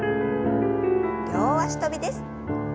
両脚跳びです。